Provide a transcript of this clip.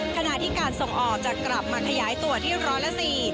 ขณะที่การส่งออกจะกลับมาขยายตัวที่ร้อยละ๔